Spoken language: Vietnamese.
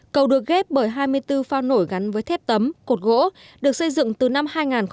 cầu được ghép bởi hai mươi bốn phao nổi gắn với thép tấm cột gỗ được xây dựng từ năm hai nghìn một mươi